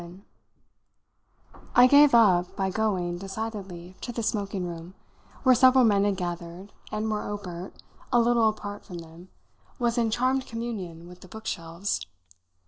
XI I gave up by going, decidedly, to the smoking room, where several men had gathered and where Obert, a little apart from them, was in charmed communion with the bookshelves.